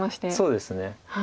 そうですね。